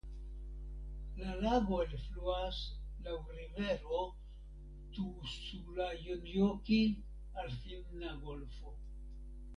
La lago elfluas laŭ rivero Tuusulanjoki al Finna golfo.